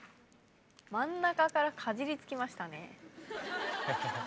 真ん中からかじりつきましたね。